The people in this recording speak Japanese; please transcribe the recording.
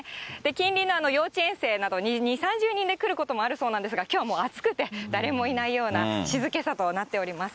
近隣の幼稚園生などに、２、３０人で来ることもあるそうなんですが、きょうは暑くて誰もいないような静けさとなっております。